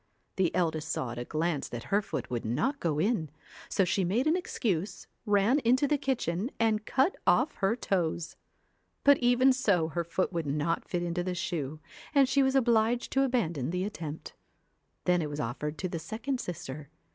The eldest saw at a glance that her foot would not go in, so she made an excuse, ran into the kitchen and cutoff her toes. But even so her foot would not fit~mfo tlie sEbe, and she was obliged to abandon the attempt. Then it was offered to the second sister.